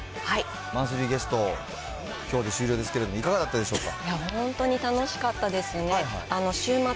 マンスリーゲスト、きょうで終了ですけれども、いかがだったでしょうか。